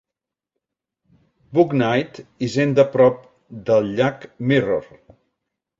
Bouknight, hisenda prop del llac Mirror.